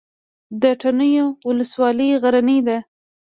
د تڼیو ولسوالۍ غرنۍ ده